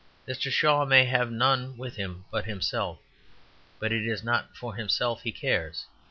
Mr. Shaw may have none with him but himself; but it is not for himself he cares.